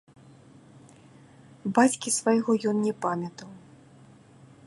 Бацькі свайго ён не памятаў.